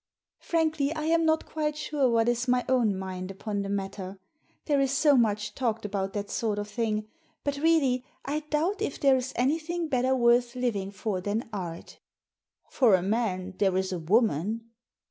"Frankly, I am not quite sure what is my own mind upon the matter. There is so much talked about that sort of thing. But really I doubt if there is anything better worth living for than art" " For a man there is a woman."